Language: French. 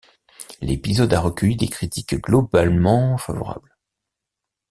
L'épisode a recueilli des critiques globalement favorables.